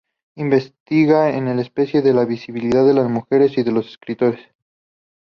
Investiga en especial la visibilidad de las mujeres y de los escritores.